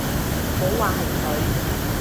冇話係佢